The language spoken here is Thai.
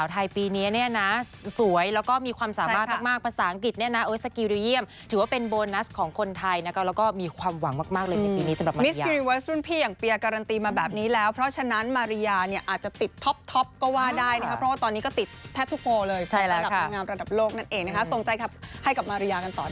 เธอดีมากคิดว่าไทยมีโอกาสดีมาก